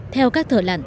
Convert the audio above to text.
theo các thợ lặn